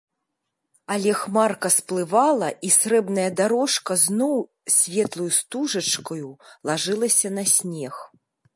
Але хмарка сплывала, і срэбная дарожка зноў светлаю стужачкаю лажылася на снег.